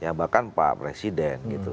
ya bahkan pak presiden gitu